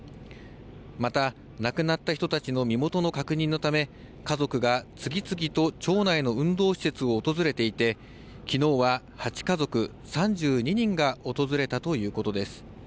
また、亡くなった人たちの身元の確認のため、家族が次々と町内の運動施設を訪れていて、きのうは８家族３２人が訪れたということです。